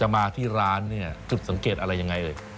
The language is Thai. มาที่ร้านเนี่ยจุดสังเกตอะไรยังไงเอ่ย